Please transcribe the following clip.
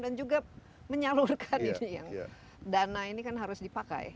dan juga menyalurkan ini yang dana ini kan harus dipakai